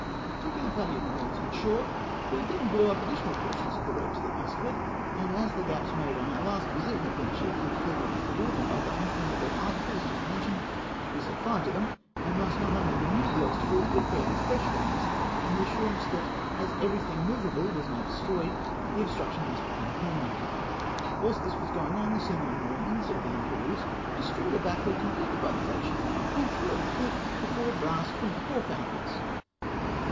Taking a party of marines on shore, we again blew up additional portions of the road to the eastward, and as the gaps made on our last visit had been chiefly filled up with \yood, and other inflammable articles just mentioned, we set fire to them, and thus not only renewed the obstacles, but created fresh ones, in the assurance that as everything movable was now de stroyed, the obstruction must become permanent. Wliilst this was going on the seamen and marines of the Im perieuse destroyed a battery completed by the French, and threw over the chfl" the four brass 24 pounders.